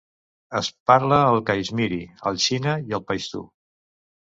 Es parla el caixmiri, el xina i el paixtu.